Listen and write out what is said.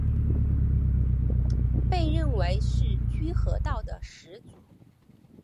被认为是居合道的始祖。